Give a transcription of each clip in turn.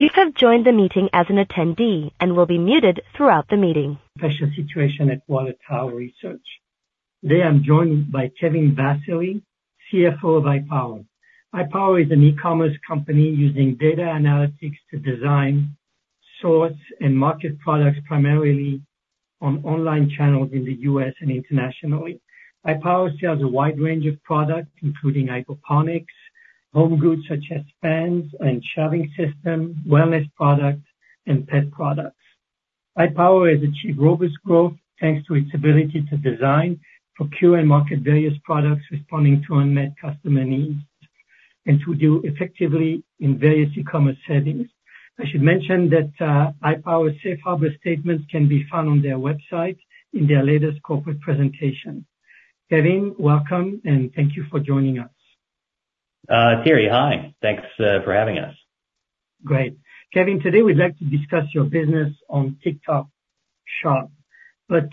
You have joined the meeting as an attendee and will be muted throughout the meeting. Special situation at Water Tower Research. Today, I'm joined by Kevin Vassily, CFO of iPower. iPower is an e-commerce company using data analytics to design, source, and market products primarily on online channels in the U.S. and internationally. iPower sells a wide range of products, including hydroponics, home goods, such as ``fans and shaving system, wellness products, and pet products. iPower has achieved robust growth, thanks to its ability to design, procure, and market various products responding to unmet customer needs, and to do effectively in various e-commerce settings. I should mention that, iPower's safe harbor statement can be found on their website in their latest corporate presentation. Kevin, welcome, and thank you for joining us. Thierry, hi. Thanks for having us. Great. Kevin, today, we'd like to discuss your business on TikTok Shop, but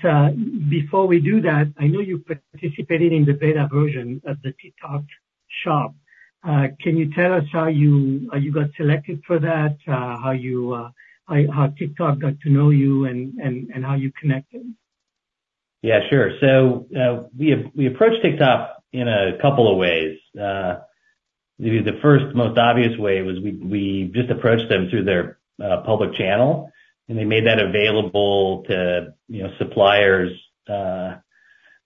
before we do that, I know you participated in the beta version of the TikTok Shop. Can you tell us how you got selected for that, how TikTok got to know you and how you connected? Yeah, sure. So, we approached TikTok in a couple of ways. Maybe the first most obvious way was we just approached them through their public channel, and they made that available to, you know, suppliers.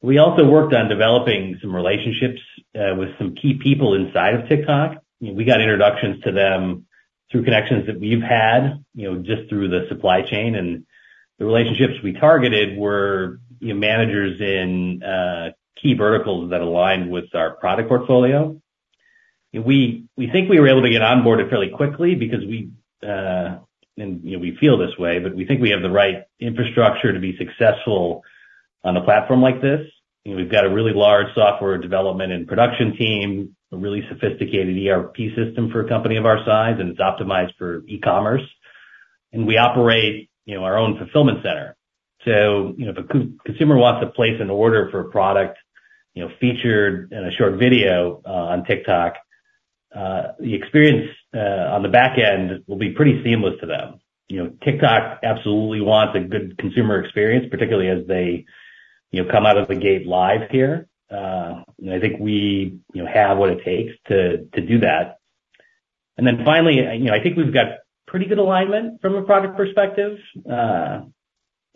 We also worked on developing some relationships with some key people inside of TikTok. We got introductions to them through connections that we've had, you know, just through the supply chain. And the relationships we targeted were, you know, managers in key verticals that aligned with our product portfolio. We think we were able to get onboarded fairly quickly because, you know, we feel this way, but we think we have the right infrastructure to be successful on a platform like this. You know, we've got a really large software development and production team, a really sophisticated ERP system for a company of our size, and it's optimized for e-commerce. We operate, you know, our own fulfillment center. You know, if a consumer wants to place an order for a product, you know, featured in a short video on TikTok, the experience on the back end will be pretty seamless to them. You know, TikTok absolutely wants a good consumer experience, particularly as they, you know, come out of the gate live here. I think we, you know, have what it takes to do that. Then finally, you know, I think we've got pretty good alignment from a product perspective.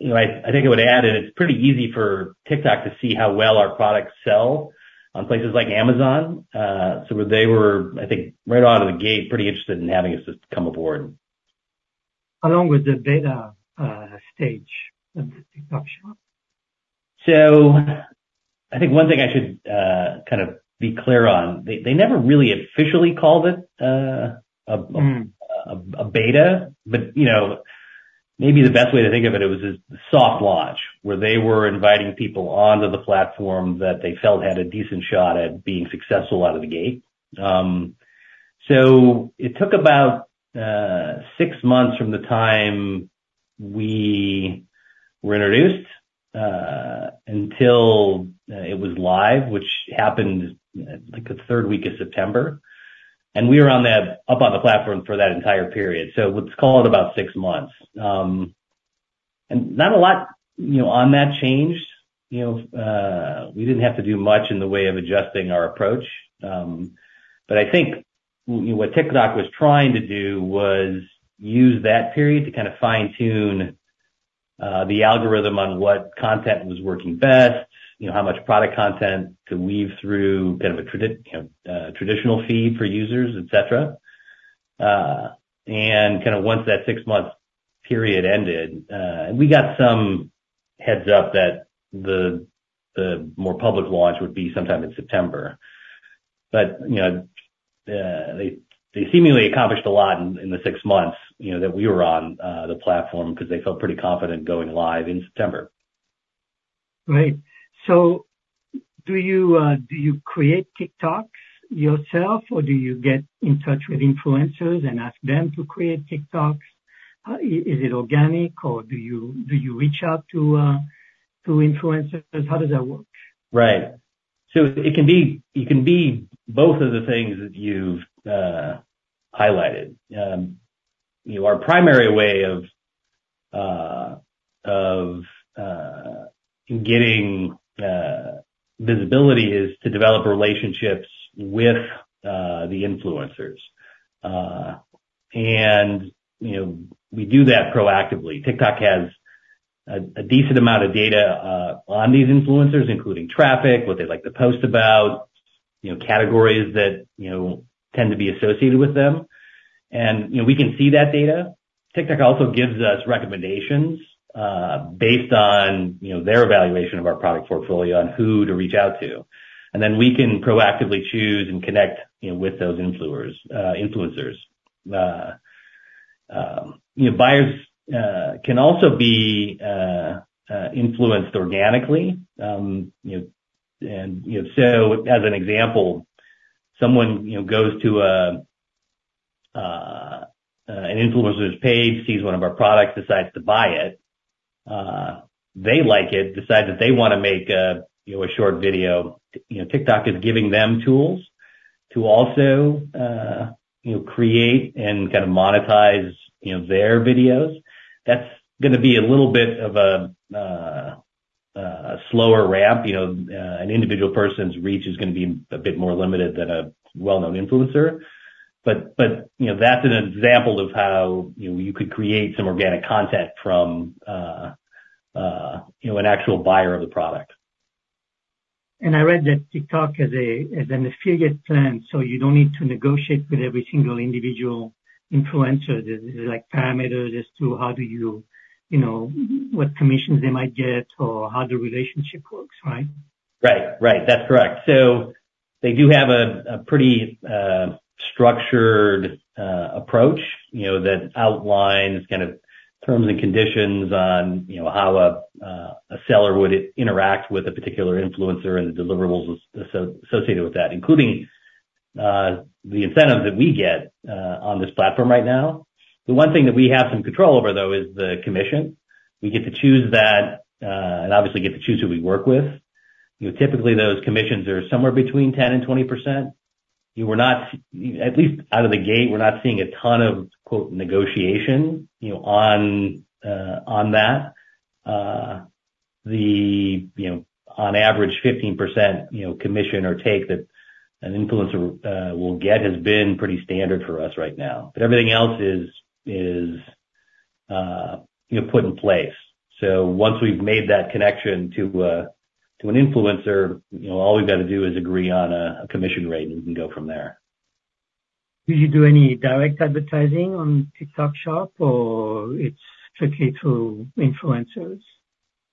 You know, I think I would add, and it's pretty easy for TikTok to see how well our products sell on places like Amazon. So they were, I think, right out of the gate, pretty interested in having us just come aboard. How long was the beta stage of the TikTok Shop? So I think one thing I should kind of be clear on, they, they never really officially called it, Mm. a beta, but, you know, maybe the best way to think of it is a soft launch, where they were inviting people onto the platform that they felt had a decent shot at being successful out of the gate. So it took about six months from the time we were introduced until it was live, which happened like the third week of September. And we were up on the platform for that entire period. So let's call it about six months. And not a lot, you know, on that changed, you know, we didn't have to do much in the way of adjusting our approach. But I think what TikTok was trying to do was use that period to kind of fine-tune the algorithm on what content was working best, you know, how much product content to weave through kind of a traditional feed for users, et cetera. And kind of once that six-month period ended, and we got some heads-up that the more public launch would be sometime in September. But, you know, they seemingly accomplished a lot in the six months, you know, that we were on the platform, because they felt pretty confident going live in September. Right. So do you create TikToks yourself, or do you get in touch with influencers and ask them to create TikToks? Is it organic, or do you reach out to influencers? How does that work? Right. So it can be, it can be both of the things that you've highlighted. You know, our primary way of getting visibility is to develop relationships with the influencers. And, you know, we do that proactively. TikTok has a decent amount of data on these influencers, including traffic, what they like to post about, you know, categories that, you know, tend to be associated with them. And, you know, we can see that data. TikTok also gives us recommendations based on, you know, their evaluation of our product portfolio on who to reach out to, and then we can proactively choose and connect, you know, with those influencers. You know, buyers can also be influenced organically. You know, so as an example, someone, you know, goes to an influencer's page, sees one of our products, decides to buy it. They like it, decide that they wanna make, you know, a short video. You know, TikTok is giving them tools to also, you know, create and kind of monetize, you know, their videos. That's gonna be a little bit of a slower ramp, you know, an individual person's reach is gonna be a bit more limited than a well-known influencer. But, you know, that's an example of how, you know, you could create some organic content from, you know, an actual buyer of the product. I read that TikTok has an affiliate plan, so you don't need to negotiate with every single individual influencer. There's like parameters as to how do you, you know, what commissions they might get or how the relationship works, right? Right. Right, that's correct. So they do have a pretty structured approach, you know, that outlines kind of terms and conditions on, you know, how a seller would interact with a particular influencer and the deliverables associated with that, including the incentive that we get on this platform right now. The one thing that we have some control over though, is the commission. We get to choose that, and obviously get to choose who we work with. You know, typically those commissions are somewhere between 10%-20%. We're not. At least out of the gate, we're not seeing a ton of quote, negotiation, you know, on that. The, you know, on average 15% commission or take that an influencer will get, has been pretty standard for us right now. But everything else is, you know, put in place. So once we've made that connection to an influencer, you know, all we've got to do is agree on a commission rate and we can go from there. Do you do any direct advertising on TikTok Shop or it's strictly through influencers?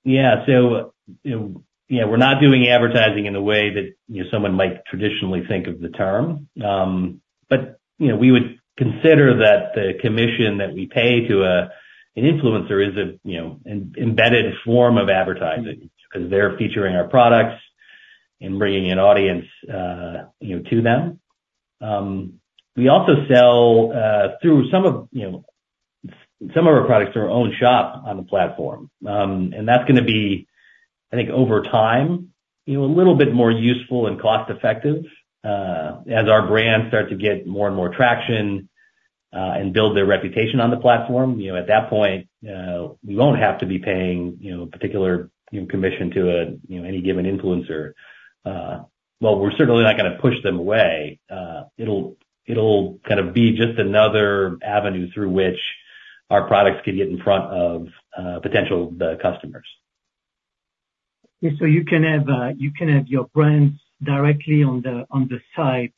Yeah. So, you know, yeah, we're not doing advertising in the way that, you know, someone might traditionally think of the term. But, you know, we would consider that the commission that we pay to an influencer is a, you know, embedded form of advertising, 'cause they're featuring our products and bringing an audience, you know, to them. We also sell through some of, you know, some of our products are our own shop on the platform. And that's gonna be, I think, over time, you know, a little bit more useful and cost effective as our brands start to get more and more traction and build their reputation on the platform. You know, at that point we won't have to be paying, you know, a particular, you know, commission to any given influencer. While we're certainly not gonna push them away, it'll kind of be just another avenue through which our products can get in front of potential customers. Yeah, so you can have your brands directly on the site-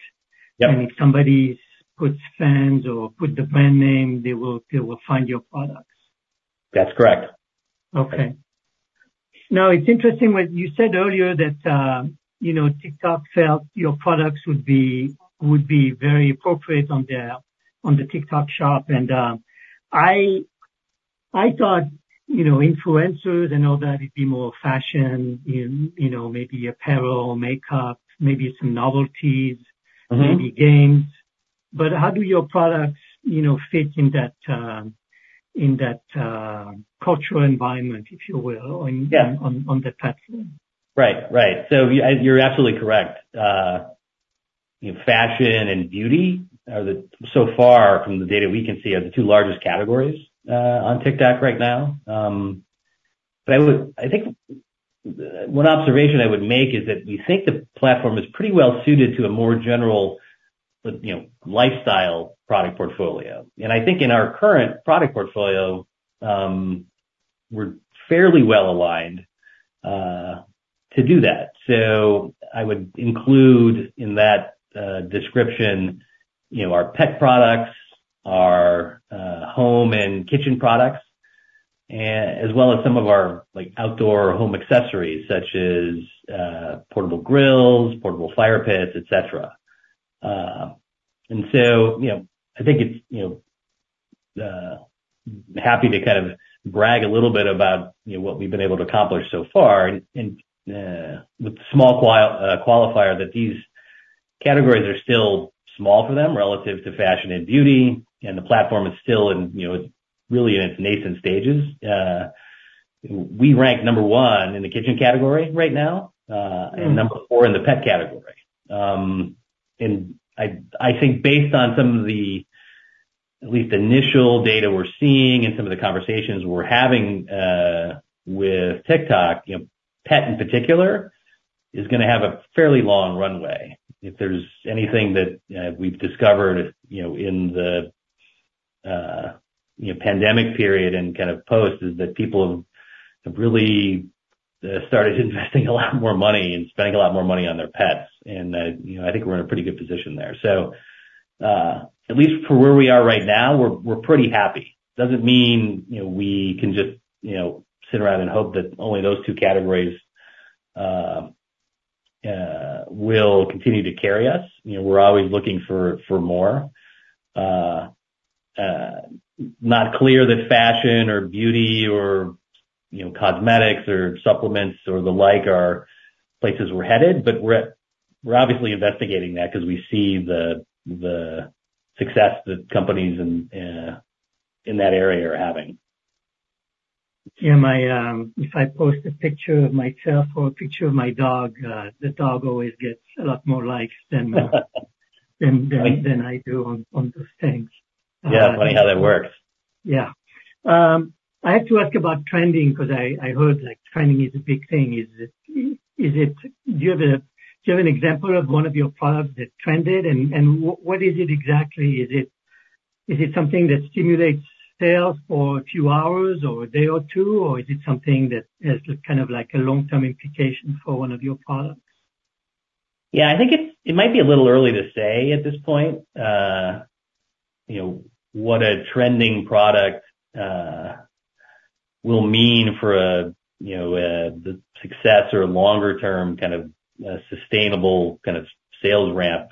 Yep. If somebody puts brands or put the brand name, they will, they will find your products? That's correct. Okay. Now, it's interesting what you said earlier, that, you know, TikTok felt your products would be, would be very appropriate on the, on the TikTok Shop. And, I, I thought, you know, influencers and all that, it'd be more fashion in, you know, maybe apparel, makeup, maybe some novelties- Mm-hmm. Maybe games. But how do your products, you know, fit in that, in that, cultural environment, if you will, on- Yeah. - on the platform? Right. Right. So you, you're absolutely correct. You know, fashion and beauty are the... so far from the data we can see, are the two largest categories on TikTok right now. But I would, I think one observation I would make is that we think the platform is pretty well suited to a more general, you know, lifestyle product portfolio. And I think in our current product portfolio, we're fairly well aligned to do that. So I would include in that description, you know, our pet products, our home and kitchen products, as well as some of our, like, outdoor home accessories, such as portable grills, portable fire pits, et cetera. And so, you know, I think it's, you know, happy to kind of brag a little bit about, you know, what we've been able to accomplish so far, and with the small qualifier that these categories are still small for them relative to fashion and beauty, and the platform is still in, you know, really in its nascent stages. We rank number one in the kitchen category right now. Mm. - and number four in the pet category. And I think based on some of the at least initial data we're seeing and some of the conversations we're having with TikTok, you know, pet in particular is gonna have a fairly long runway. If there's anything that we've discovered, you know, in the pandemic period and kind of post, is that people have really started investing a lot more money and spending a lot more money on their pets. And you know, I think we're in a pretty good position there. So at least for where we are right now, we're pretty happy. Doesn't mean, you know, we can just sit around and hope that only those two categories will continue to carry us. You know, we're always looking for more. Not clear that fashion or beauty or, you know, cosmetics or supplements or the like, are places we're headed, but we're obviously investigating that, 'cause we see the success that companies in, in that area are having. Yeah, my, if I post a picture of myself or a picture of my dog, the dog always gets a lot more likes than I do on those things. Yeah, funny how that works. Yeah. I have to ask about trending, 'cause I heard, like, trending is a big thing. Is it? Do you have an example of one of your products that trended? And what is it exactly? Is it something that stimulates sales for a few hours, or a day or two, or is it something that has kind of like a long-term implication for one of your products? Yeah, I think it might be a little early to say at this point, you know, what a trending product will mean for a, you know, the success or longer term, kind of, sustainable kind of sales ramp,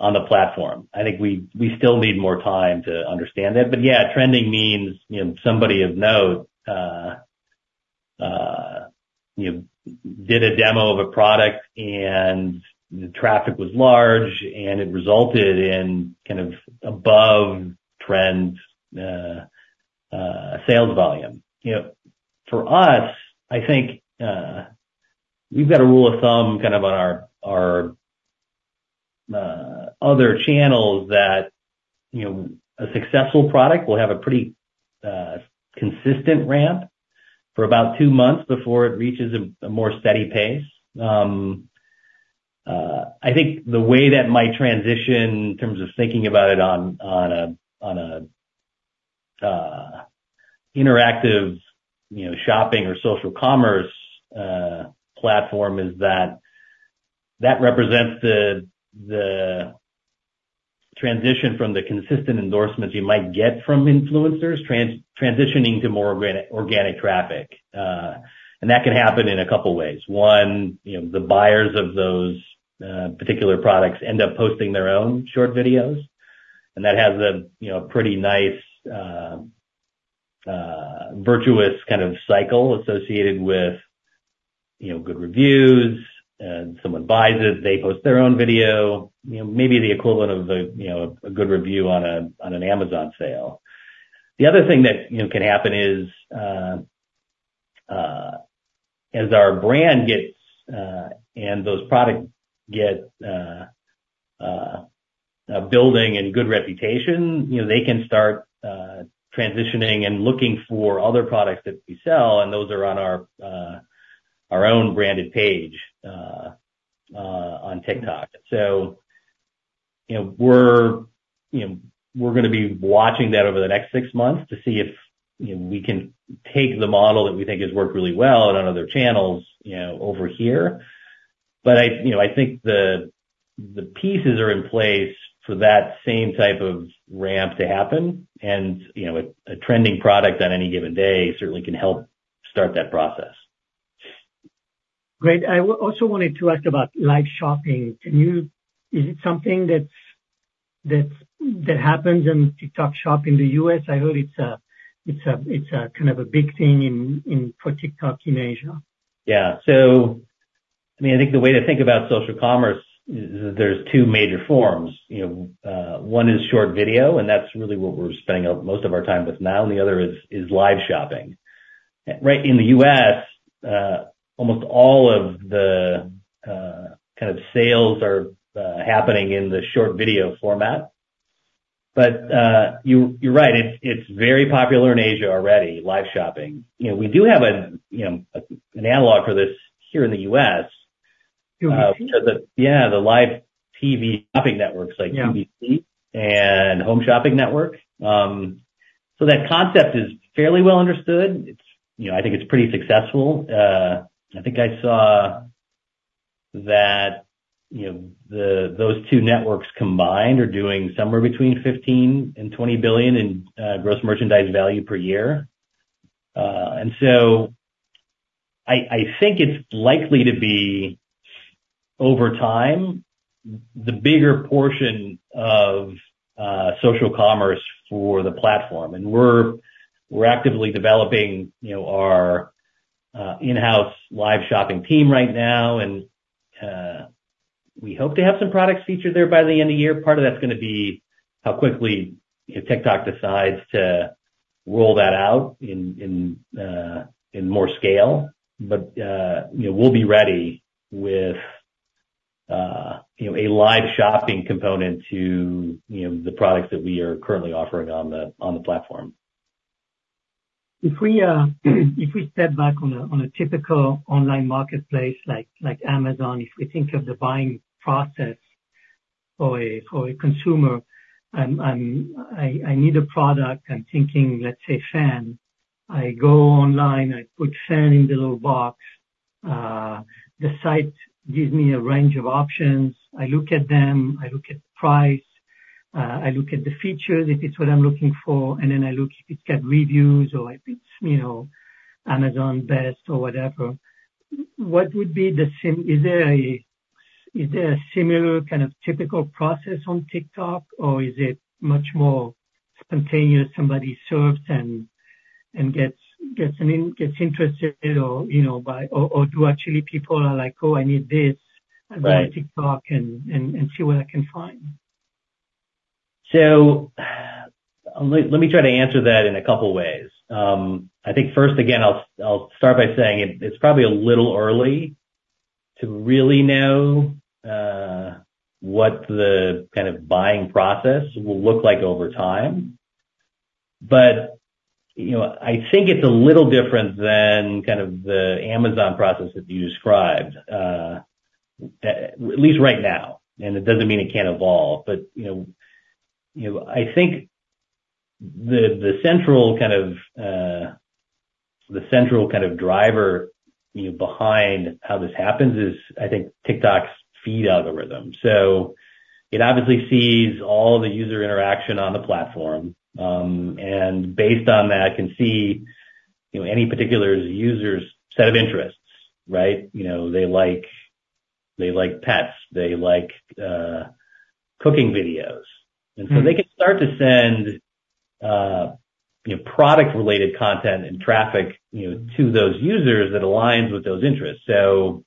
on the platform. I think we still need more time to understand that. But yeah, trending means, you know, somebody of note, you know, did a demo of a product, and the traffic was large, and it resulted in kind of above trend, sales volume. You know, for us, I think, we've got a rule of thumb, kind of, on our other channels that, you know, a successful product will have a pretty, consistent ramp for about two months before it reaches a more steady pace. I think the way that might transition in terms of thinking about it on an interactive, you know, shopping or social commerce platform is that that represents the transition from the consistent endorsements you might get from influencers, transitioning to more organic traffic. And that can happen in a couple ways. One, you know, the buyers of those particular products end up posting their own short videos, and that has a, you know, pretty nice virtuous kind of cycle associated with, you know, good reviews. And someone buys it, they post their own video, you know, maybe the equivalent of a, you know, a good review on an Amazon sale. The other thing that, you know, can happen is, as our brand gets, and those products get, a building and good reputation, you know, they can start transitioning and looking for other products that we sell, and those are on our, our own branded page, on TikTok. So, you know, we're, you know, we're gonna be watching that over the next six months to see if, you know, we can take the model that we think has worked really well on other channels, you know, over here. But I, you know, I think the pieces are in place for that same type of ramp to happen, and, you know, a trending product on any given day certainly can help start that process. Great. I also wanted to ask about live shopping. Is it something that happens in TikTok Shop in the U.S.? I heard it's a kind of a big thing in for TikTok in Asia. Yeah. So, I mean, I think the way to think about social commerce is, there's two major forms. You know, one is short video, and that's really what we're spending most of our time with now, and the other is, is live shopping. Right, in the U.S., almost all of the, kind of sales are, happening in the short video format. But, you, you're right, it's, it's very popular in Asia already, live shopping. You know, we do have a, you know, an analog for this here in the U.S. Do you? Yeah, the live TV shopping networks- Yeah. - like QVC and Home Shopping Network. So that concept is fairly well understood. It's, you know, I think it's pretty successful. I think I saw that, you know, those two networks combined, are doing somewhere between $15 billion and $20 billion in gross merchandise value per year. And so I think it's likely to be, over time, the bigger portion of social commerce for the platform. And we're actively developing, you know, our in-house live shopping team right now, and we hope to have some products featured there by the end of year. Part of that's gonna be how quickly, if TikTok decides to roll that out in more scale. You know, we'll be ready with, you know, a live shopping component to, you know, the products that we are currently offering on the platform. If we, if we step back on a, on a typical online marketplace, like, like Amazon, if we think of the buying process for a, for a consumer, I, I need a product, I'm thinking, let's say, fan. I go online, I put fan in the little box, the site gives me a range of options. I look at them, I look at the price, I look at the features, if it's what I'm looking for, and then I look if it's got reviews or if it's, you know, Amazon Best or whatever. What would be the sim-- Is there a, is there a similar kind of typical process on TikTok, or is it much more spontaneous, somebody surfs and gets interested or, you know, buy or, or do actually people are like, "Oh, I need this- Right. I go to TikTok and see what I can find? So, let me try to answer that in a couple ways. I think first again, I'll start by saying it's probably a little early to really know what the kind of buying process will look like over time. But, you know, I think it's a little different than kind of the Amazon process that you described at least right now, and it doesn't mean it can't evolve. But, you know, I think the central kind of driver, you know, behind how this happens is, I think, TikTok's feed algorithm. So it obviously sees all the user interaction on the platform, and based on that, can see, you know, any particular user's set of interests, right? You know, they like pets, they like cooking videos. Mm-hmm. And so they can start to send, you know, product related content and traffic, you know, to those users that aligns with those interests. So,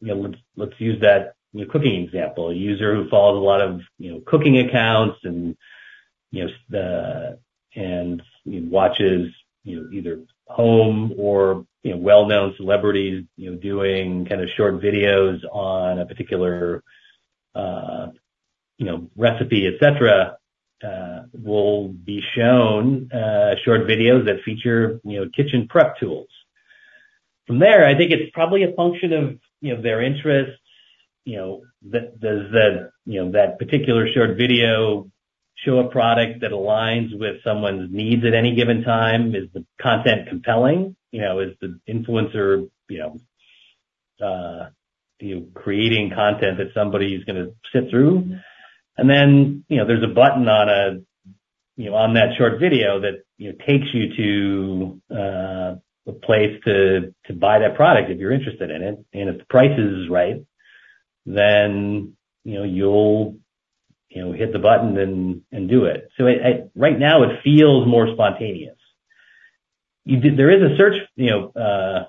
you know, let's use that, you know, cooking example. A user who follows a lot of, you know, cooking accounts and, you know, and watches, you know, either home or, you know, well-known celebrities, you know, doing kind of short videos on a particular, you know, recipe, et cetera, will be shown short videos that feature, you know, kitchen prep tools. From there, I think it's probably a function of, you know, their interests, you know, does the, you know, that particular short video show a product that aligns with someone's needs at any given time? Is the content compelling? You know, is the influencer, you know, creating content that somebody's gonna sit through? And then, you know, there's a button on a, you know, on that short video that, you know, takes you to a place to buy that product if you're interested in it. And if the price is right, then, you know, you'll, you know, hit the button and do it. So it... Right now, it feels more spontaneous. There is a search, you know,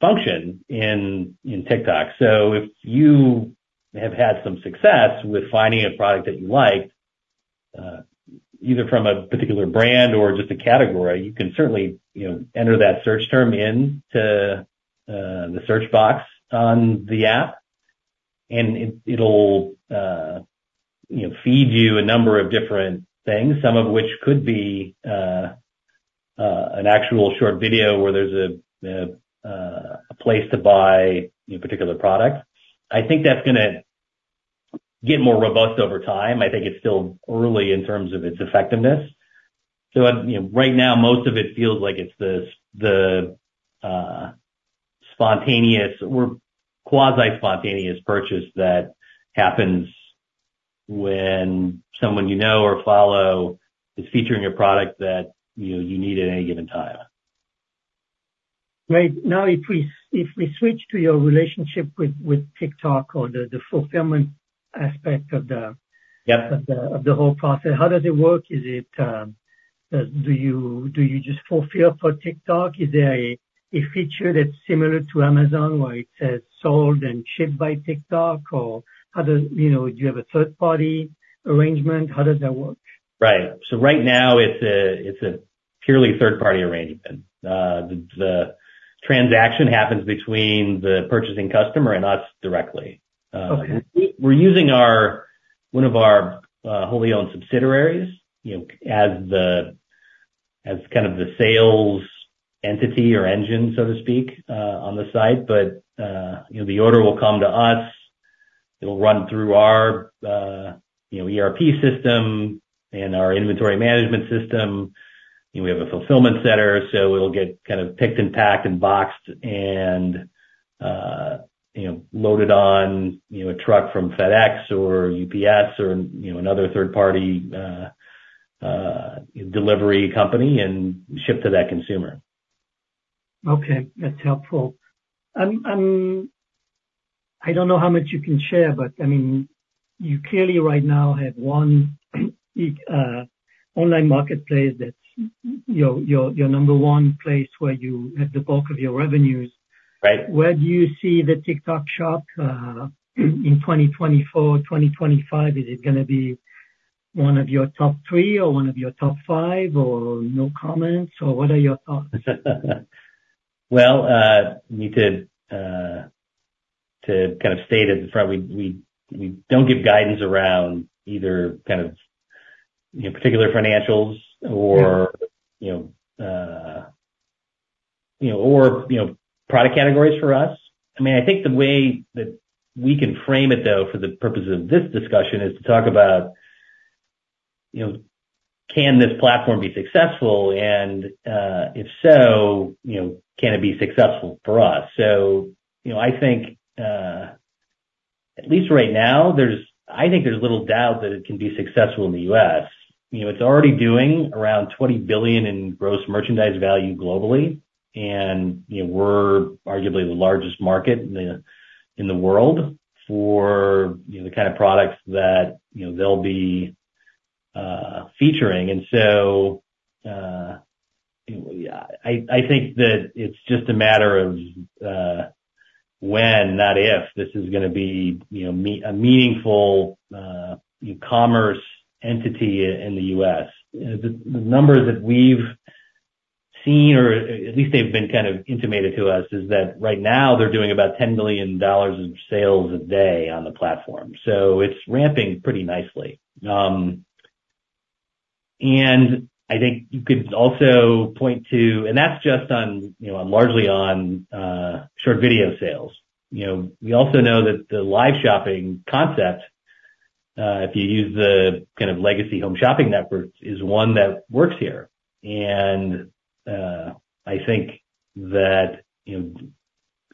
function in TikTok, so if you have had some success with finding a product that you like, either from a particular brand or just a category, you can certainly, you know, enter that search term into the search box on the app, and it'll, you know, feed you a number of different things, some of which could be an actual short video, where there's a place to buy a particular product. I think that's gonna get more robust over time. I think it's still early in terms of its effectiveness. So, you know, right now, most of it feels like it's the spontaneous or quasi-spontaneous purchase that happens when someone you know or follow is featuring a product that, you know, you need at any given time. Great! Now, if we switch to your relationship with TikTok or the fulfillment aspect of the- Yeah. of the whole process, how does it work? Is it, do you, do you just fulfill for TikTok? Is there a feature that's similar to Amazon, where it says, "Sold and shipped by TikTok," or how does... You know, do you have a third party arrangement? How does that work? Right. So right now, it's a purely third-party arrangement. The transaction happens between the purchasing customer and us directly. Okay. We're using one of our wholly owned subsidiaries, you know, as kind of the sales entity or engine, so to speak, on the site. But, you know, the order will come to us, it'll run through our, you know, ERP system and our inventory management system, and we have a fulfillment center, so it'll get kind of picked and packed and boxed and, you know, loaded on, you know, a truck from FedEx or UPS or, you know, another third-party delivery company and shipped to that consumer. Okay. That's helpful. And, and I don't know how much you can share, but I mean, you clearly, right now, have one online marketplace that's your, your, your number one place where you have the bulk of your revenues. Right. Where do you see the TikTok Shop in 2024, 2025? Is it gonna be one of your top three, or one of your top five, or no comments, or what are your thoughts? Well, need to kind of state at the front, we don't give guidance around either kind of, you know, particular financials or- Yeah... you know, you know, or, you know, product categories for us. I mean, I think the way that we can frame it though, for the purposes of this discussion, is to talk about, you know, can this platform be successful? And, if so, you know, can it be successful for us? So, you know, I think, at least right now, there's I think there's little doubt that it can be successful in the U.S. You know, it's already doing around $20 billion in gross merchandise value globally, and, you know, we're arguably the largest market in the, in the world for, you know, the kind of products that, you know, they'll be featuring. Yeah, I think that it's just a matter of when, not if, this is gonna be, you know, a meaningful commerce entity in the US. The numbers that we've seen, or at least they've been kind of intimated to us, is that right now they're doing about $10 billion in sales a day on the platform, so it's ramping pretty nicely. I think you could also point to... And that's just on, you know, largely on short video sales. You know, we also know that the live shopping concept, if you use the kind of legacy home shopping networks, is one that works here. I think that, you know,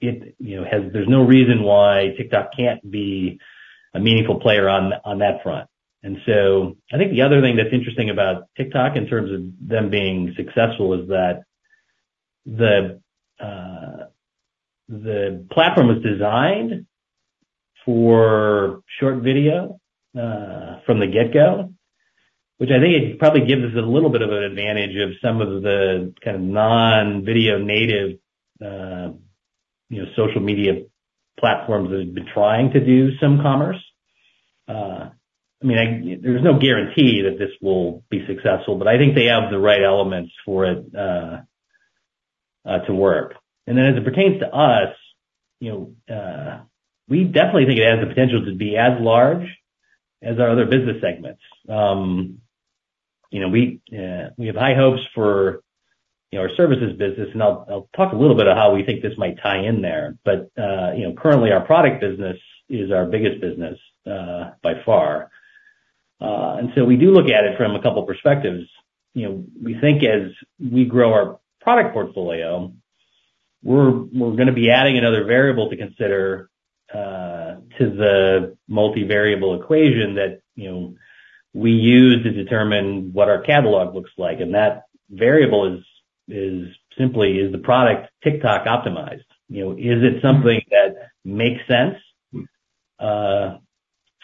it has. There's no reason why TikTok can't be a meaningful player on that front. And so I think the other thing that's interesting about TikTok, in terms of them being successful, is that the platform was designed for short video from the get-go, which I think it probably gives it a little bit of an advantage of some of the kind of non-video native, you know, social media platforms that have been trying to do some commerce. I mean, there's no guarantee that this will be successful, but I think they have the right elements for it to work. And then as it pertains to us, you know, we definitely think it has the potential to be as large as our other business segments. You know, we have high hopes for our services business, and I'll talk a little bit about how we think this might tie in there. But you know, currently, our product business is our biggest business by far. And so we do look at it from a couple perspectives. You know, we think as we grow our product portfolio, we're gonna be adding another variable to consider to the multivariable equation that you know, we use to determine what our catalog looks like. And that variable is simply the product TikTok optimized? You know, is it something that makes sense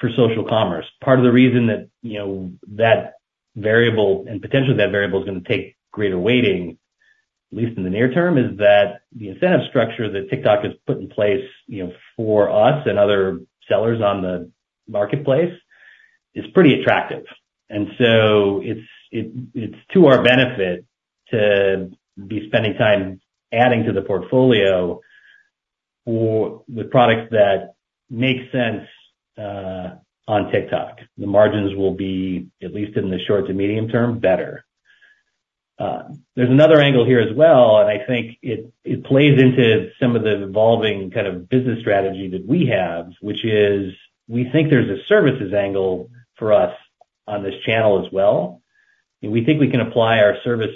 for social commerce? Part of the reason that, you know, that variable, and potentially that variable, is gonna take greater weighting, at least in the near term, is that the incentive structure that TikTok has put in place, you know, for us and other sellers on the marketplace, is pretty attractive. And so it's to our benefit to be spending time adding to the portfolio with products that make sense on TikTok. The margins will be, at least in the short to medium term, better. There's another angle here as well, and I think it plays into some of the evolving kind of business strategy that we have, which is, we think there's a services angle for us on this channel as well. We think we can apply our service,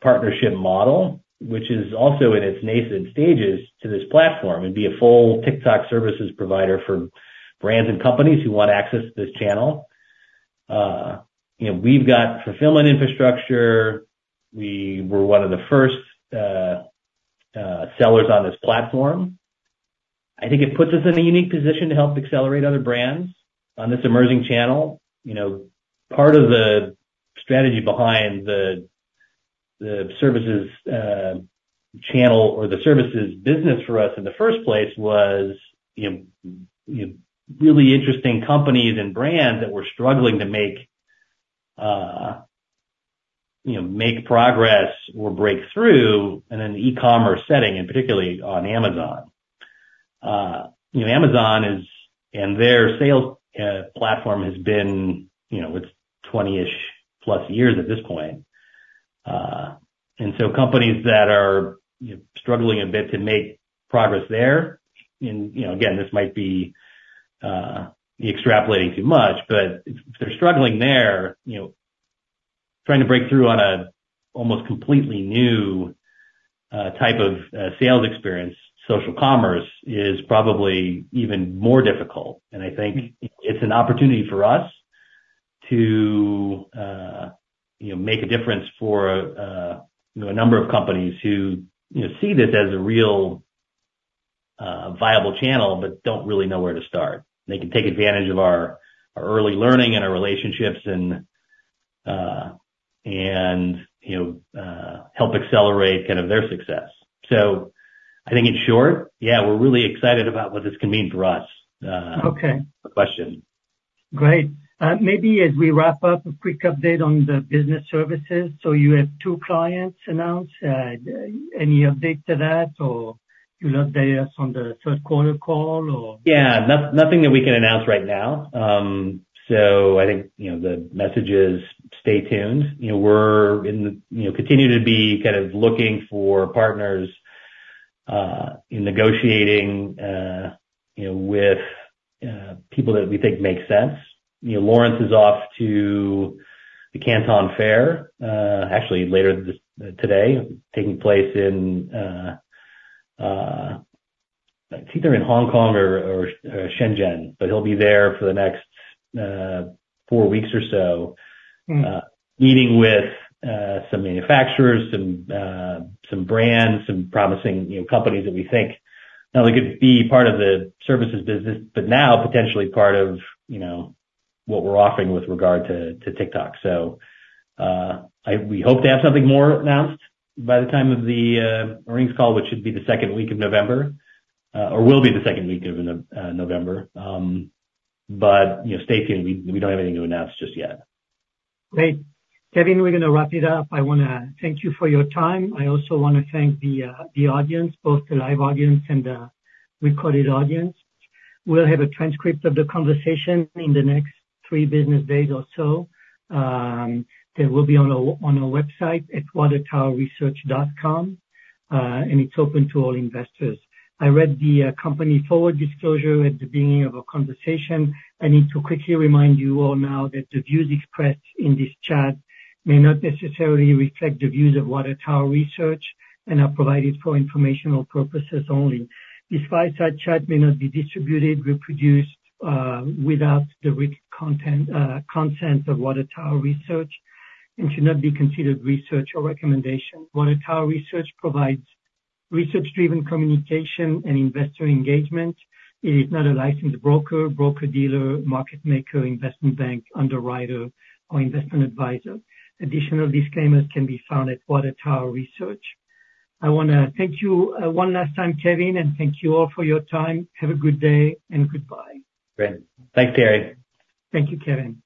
partnership model, which is also in its nascent stages, to this platform, and be a full TikTok services provider for brands and companies who want access to this channel. You know, we've got fulfillment infrastructure. We were one of the first sellers on this platform. I think it puts us in a unique position to help accelerate other brands on this emerging channel. You know, part of the strategy behind the services channel or the services business for us in the first place was, you know, you know, really interesting companies and brands that were struggling to make, you know, make progress or break through in an e-commerce setting, and particularly on Amazon. You know, Amazon is, and their sales platform has been, you know, it's 20-ish+ years at this point. And so companies that are, you know, struggling a bit to make progress there, and, you know, again, this might be extrapolating too much, but if they're struggling there, you know, trying to break through on almost completely new type of sales experience, social commerce, is probably even more difficult. And I think it's an opportunity for us to, you know, make a difference for, you know, a number of companies who, you know, see this as a real viable channel, but don't really know where to start. They can take advantage of our early learning and our relationships, and, you know, help accelerate kind of their success. So I think in short, yeah, we're really excited about what this can mean for us. Okay. The question. Great. Maybe as we wrap up, a quick update on the business services. So you had two clients announced. Any update to that, or you'll update us on the third quarter call, or? Yeah, nothing that we can announce right now. So I think, you know, the message is, stay tuned. You know, we're in, you know, continue to be kind of looking for partners, in negotiating, you know, with, people that we think make sense. You know, Lawrence is off to the Canton Fair, actually later this today, taking place in, I think, they're in Hong Kong or, or, Shenzhen, but he'll be there for the next, four weeks or so- Mm. Meeting with some manufacturers, some brands, some promising, you know, companies that we think not only could be part of the services business, but now potentially part of, you know, what we're offering with regard to TikTok. So, we hope to have something more announced by the time of the earnings call, which should be the second week of November, or will be the second week of November. But, you know, stay tuned. We don't have anything to announce just yet. Great. Kevin, we're gonna wrap it up. I wanna thank you for your time. I also wanna thank the audience, both the live audience and the recorded audience. We'll have a transcript of the conversation in the next three business days or so. It will be on our website at watertowerresearch.com, and it's open to all investors. I read the company forward disclosure at the beginning of our conversation. I need to quickly remind you all now that the views expressed in this chat may not necessarily reflect the views of Water Tower Research, and are provided for informational purposes only. This fireside chat may not be distributed, reproduced without the written consent of Water Tower Research, and should not be considered research or recommendation. Water Tower Research provides research-driven communication and investor engagement. It is not a licensed broker, broker-dealer, market maker, investment bank, underwriter or investment advisor. Additional disclaimers can be found at Water Tower Research. I wanna thank you, one last time, Kevin, and thank you all for your time. Have a good day, and goodbye. Great. Thanks, Thierry. Thank you, Kevin.